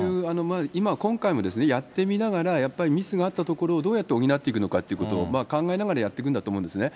今、今回もやってみながら、やっぱりミスがあったところをどうやって補っていくのかということを考えながらやっていくんだと思うんですね。